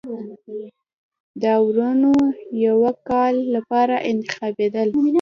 داورانو د یوه کال لپاره انتخابېدل.